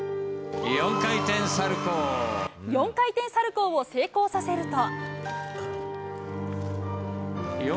４回転サルコウを成功させると。